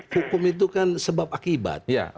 hukum itu kan sebab akibat